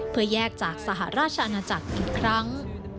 เพื่อแยกจากสหราชอาณาจักรอีกครั้ง